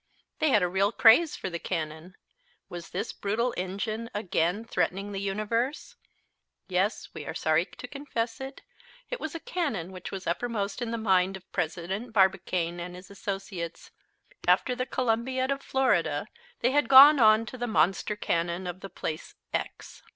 They had a real craze for the cannon. Was this brutal engine again threatening the universe? Yes, we are sorry to confess it, it was a cannon which was uppermost in the mind of President Barbicane and his associates. After the Columbiad of Florida, they had gone on to the monster cannon of the place "x."